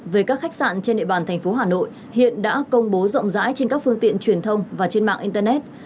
về các khách sạn trên địa bàn thành phố hà nội hiện đã công bố rộng rãi trên các phương tiện truyền thông và trên mạng internet